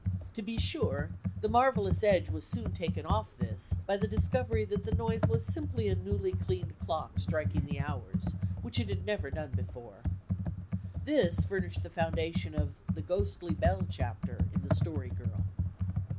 To be sure, the marvellous edge was soon taken off this by the discovery that the noise was simply a newly cleaned clock striking the hours, which it had never done before. This fiunished the foundadon of the "Ghosdy Bell" chapter in The Story Girl.